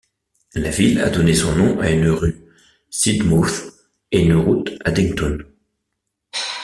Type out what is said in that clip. La ville a donné son nom à une rue Sidmouth et une route Addington.